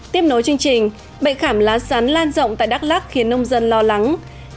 tiếp nối chương trình bệnh khảm lá sắn lan rộng tại đắk lắc khiến nông dân lo lắng